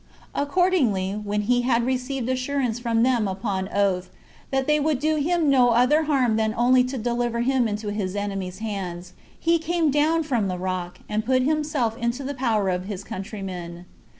Accordingly, when he had received assurance from them upon oath, that they would do him no other harm than only to deliver him into his enemies' hands, he came down from the rock, and put himself into the power of his countrymen.